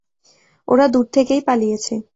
ওরা দূর থেকেই পালিয়েছে।